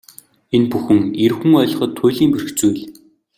Энэ бүхэн эр хүн ойлгоход туйлын бэрх зүйл.